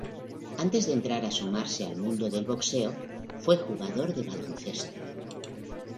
Antes de entrar a sumarse al mundo del boxeo fue jugador de baloncesto.